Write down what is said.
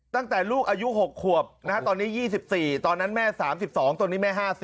ตั้งแต่ลูกอายุ๖ขวบตอนนี้๒๔ตอนนั้นแม่๓๒ตอนนี้แม่๕๐